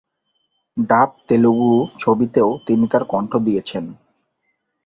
ডাব তেলুগু ছবিতেও তিনি তার কণ্ঠ দিয়েছেন।